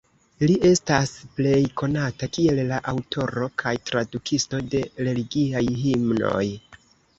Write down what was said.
Li estas plej konata kiel la aŭtoro kaj tradukisto de religiaj himnoj.